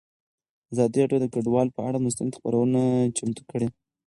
ازادي راډیو د کډوال پر اړه مستند خپرونه چمتو کړې.